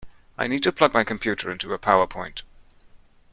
I need to plug my computer into a power point